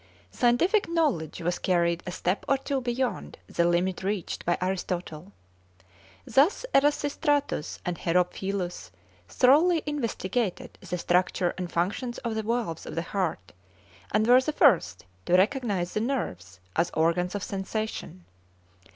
Scientific knowledge was carried a step or two beyond the limit reached by Aristotle. Thus Erasistratus and Herophilus thoroughly investigated the structure and functions of the valves of the heart, and were the first to recognize the nerves as organs of sensation.